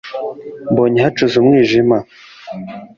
mbonye hacuze umwijima!